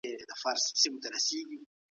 کور زده کړه منفي اغېز نه لري.